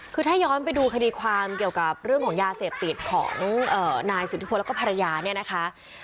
คือถ้าย้อนไปดูคดีความเกี่ยวกับเรื่องของยาเสพติดของนายสุธิพลแล้วก็ภรรยาเนี่ยนะคะ